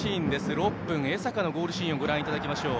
６分、江坂のゴールシーンをご覧いただきましょう。